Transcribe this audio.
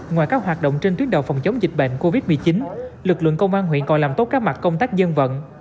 ngoài các hoạt động trên tuyến đầu phòng chống dịch bệnh covid một mươi chín lực lượng công an huyện còn làm tốt các mặt công tác dân vận